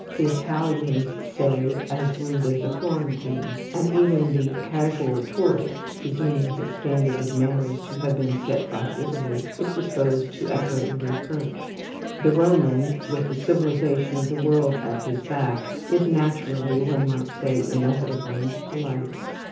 The Italians say "as rude as a Florentine"; and even the casual tourist (presuming his standard of manners to have been set by Italy) is disposed to echo the reproach. The Roman, with the civilization of the world at his back, is naturally, one might say inevitably, polite.